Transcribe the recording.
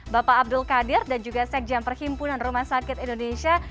bapak abdul qadir dan juga sekjen perhimpunan rumah sakit indonesia